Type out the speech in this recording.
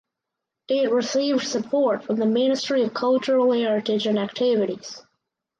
It received support from the Ministry of Cultural Heritage and Activities.